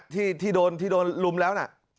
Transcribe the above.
ที่โดนลุมแล้วนะ